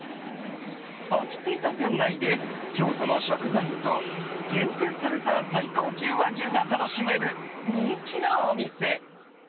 落ち着いた店内で京都の食材と厳選された最高級和牛が楽しめる人気のお店。